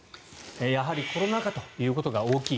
やはり、コロナ禍ということが大きい。